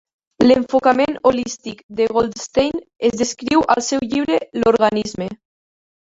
L'enfocament holístic de Goldstein es descriu al seu llibre "L'organisme".